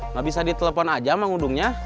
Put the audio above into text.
nggak bisa ditelepon aja sama ngudungnya